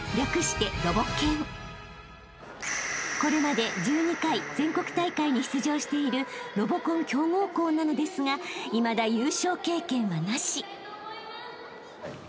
［これまで１２回全国大会に出場しているロボコン強豪校なのですがいまだ優勝経験はなし］